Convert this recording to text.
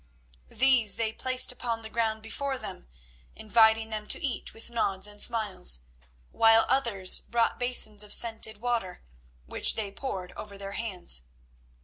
These they placed upon the ground before them, inviting them to eat with nods and smiles, while others brought basins of scented water, which they poured over their hands.